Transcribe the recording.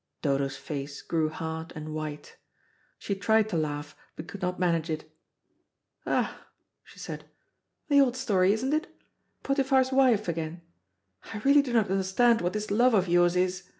Dodo's face grew hard and white. She tried to laugh, but could not manage it. "Ah," she said, "the old story, isn't it? Potiphar's wife again. I really do not understand what this love of yours is.